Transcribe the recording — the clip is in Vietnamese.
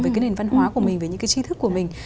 về cái nền văn hóa của mình về những cái chi thức của mình